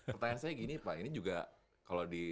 pertanyaan saya gini pak ini juga kalau di